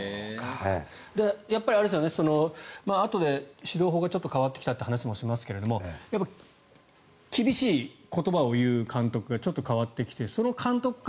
やっぱり、あとで指導法がちょっと変わってきたという話もしますが厳しい言葉を言う監督がちょっと変わってきてその監督から